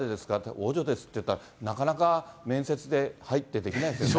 王女ですって言ったら、なかなか面接で、はいってできないですよね。